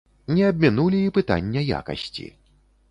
Не абмінулі і пытання якасці.